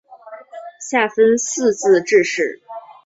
下分四自治市。